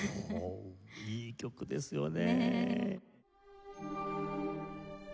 いい曲ですよね。